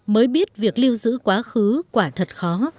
mới biết việc lưu giữ quá khứ quả thật khó